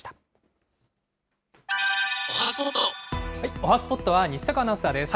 おはＳＰＯＴは、西阪アナウンサーです。